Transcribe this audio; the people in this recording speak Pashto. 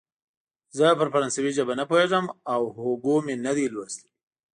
زه پر فرانسوي ژبه نه پوهېږم او هوګو مې نه دی لوستی.